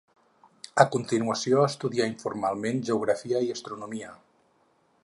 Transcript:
A continuació estudià informalment geografia i astronomia.